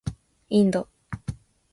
インド